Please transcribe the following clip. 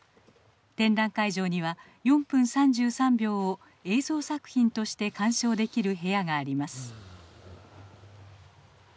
展覧会場には「４分３３秒」を映像作品として鑑賞できる部屋があります。